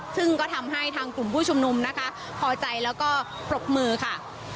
ซึ่งก็ทำให้ทางกลุ่มผู้ชุมนุมนะคะพอใจแล้วก็ปรบมือค่ะ